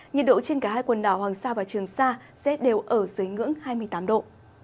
nhiệt độ trên cả hai quần đảo hoàng sa và trường sa sẽ đều ở dưới ngưỡng hai mươi tám độ